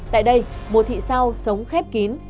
tại đây mùa thị sao sống khép kín